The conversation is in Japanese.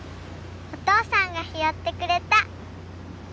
お父さんが拾ってくれた。